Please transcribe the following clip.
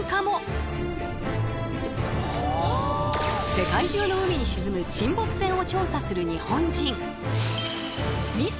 世界中の海に沈む沈没船を調査する日本人。